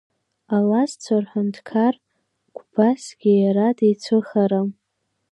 Алазцәа рҳәынҭқар Гәбазгьы иара дицәыхарам.